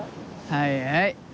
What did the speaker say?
はいはい。